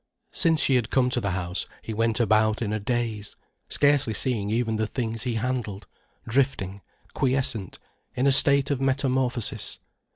Since she had come to the house he went about in a daze, scarcely seeing even the things he handled, drifting, quiescent, in a state of metamorphosis.